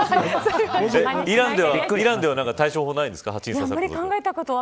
イランでは、何か対処法ないんですか。